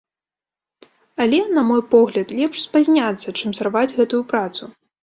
Але, на мой погляд, лепш спазняцца, чым сарваць гэтую працу.